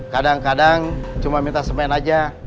kadang kadang cuma minta semen aja